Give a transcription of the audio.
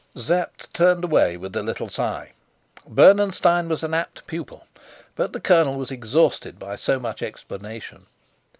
Sapt turned away with a little sigh. Bernenstein was an apt pupil, but the colonel was exhausted by so much explanation.